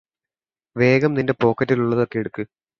വേഗം നിന്റെ പോക്കറ്റിലുള്ളതൊക്കെ എടുക്ക്